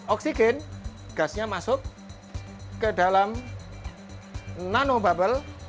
oksigen gasnya masuk ke dalam nano bubble